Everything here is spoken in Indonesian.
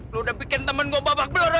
lo udah bikin temen gue babak belor ya